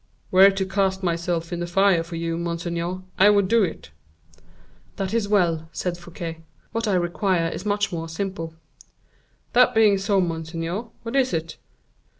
"Were it to cast myself into the fire for you, monseigneur, I would do it." "That is well," said Fouquet; "what I require is much more simple." "That being so, monseigneur, what is it?"